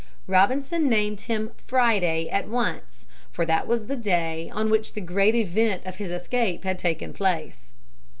Robinson named him Friday at once, for that was the day on which the great event of his escape had taken place.